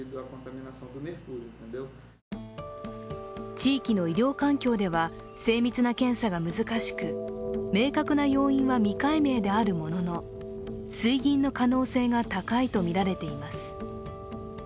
地域の医療環境では精密な検査が難しく明確な要因は未解明であるものの水銀の可能性が高いとみられています。